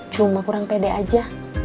cuma kurang pede aja